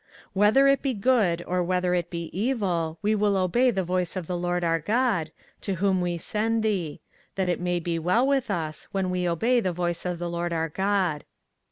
24:042:006 Whether it be good, or whether it be evil, we will obey the voice of the LORD our God, to whom we send thee; that it may be well with us, when we obey the voice of the LORD our God.